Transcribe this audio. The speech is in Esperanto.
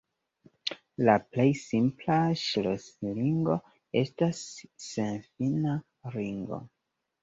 La plej simpla ŝlosilingo estas senfina ringo.